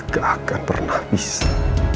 gak akan pernah bisa